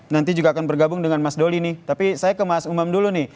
nanti juga akan bergabung dengan mas doli nih tapi saya ke mas umam dulu nih